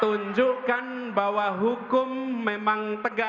tunjukkan bahwa hukum memang tegas